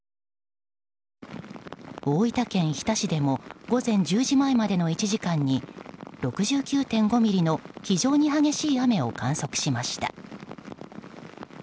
大分県日田市でも午前１０時前までの１時間に６９．５ミリの非常に激しい雨を観測しました。